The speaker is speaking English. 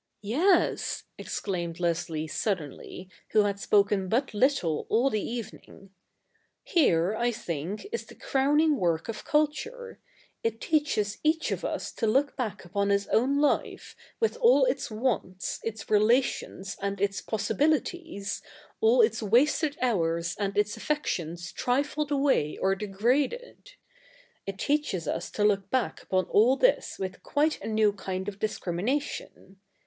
' Yes,' exclaimed Leslie suddenly, who had spoken but little all the evening, ' here, I think, is the crowning work of culture. It teaches each of us to look back upon his own life, with all its wants, its relations, and its possibilities, all its wasted hours and its affections trifled away or degraded — it teaches us to look back upon all this with quite a new kind of discrimination.